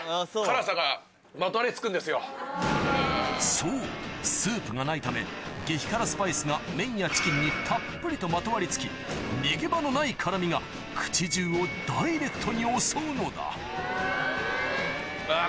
そうスープがないため激辛スパイスが麺やチキンにたっぷりとまとわりつき逃げ場のない辛みが口中をダイレクトに襲うのだあぁ